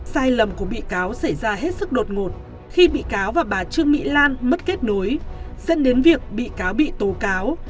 sai lầm của bị cáo xảy ra hết sức đột ngột khi bị cáo và bà trương mỹ lan mất kết nối dẫn đến việc bị cáo bị tố cáo